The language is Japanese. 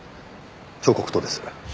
彫刻刀です。